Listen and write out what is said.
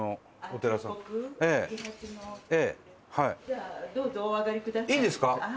いいですか？